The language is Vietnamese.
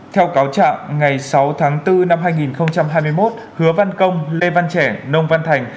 theo cáo trạng ngày sáu tháng bốn năm hai nghìn hai mươi một hứa văn công lê văn trẻ nông văn thành